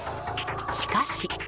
しかし。